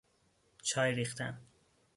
چای ریختن